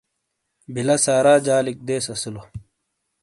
بیلہ سارا جالِیک دیس اسیلو۔